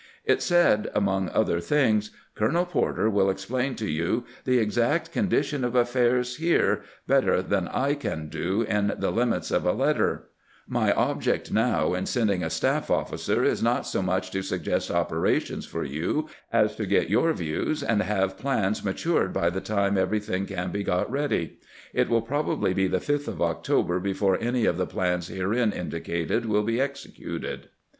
It said, among other things :" Colonel Porter wiU explain to you the exact condition of affairs here better than I can do in the limits of a letter. ... My A MISSION TO SHERMAN 289 object now in sending a staff officer is not so mucli to suggest operations for you as to get your views and have plans matured by the time everything can be got ready. It will probably be the 5th of October before any of the plans herein indicated will be executed.